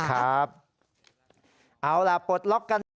เอาล่ะปลดล็อกกัน